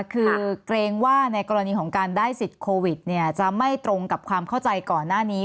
คือเกรงว่าในกรณีของการได้สิทธิ์โควิดจะไม่ตรงกับความเข้าใจก่อนหน้านี้